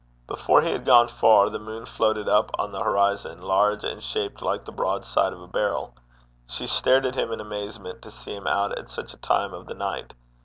Before he had gone far, the moon floated up on the horizon, large, and shaped like the broadside of a barrel. She stared at him in amazement to see him out at such a time of the night.